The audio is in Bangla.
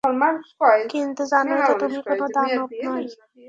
কিন্ত জানোই তো, তুমি কোনো দানব নয়।